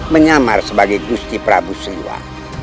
menyamar sebagai gusti prabu siwa